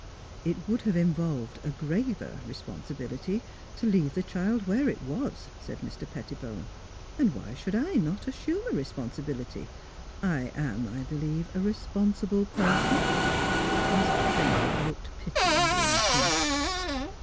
'' It would have involved a graver responsibility to leave the child where it was," said Mr. Petti bone. " And why should I not assume a responsi bility? I am, I believe, a responsible person." Mr. Trimmer looked pityingly at him.